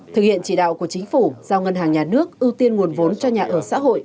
thực hiện chỉ đạo của chính phủ giao ngân hàng nhà nước ưu tiên nguồn vốn cho nhà ở xã hội